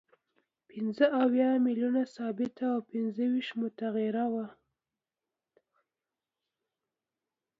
پنځه اویا میلیونه ثابته او پنځه ویشت متغیره وه